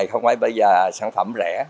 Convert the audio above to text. không phải bây giờ sản phẩm rẻ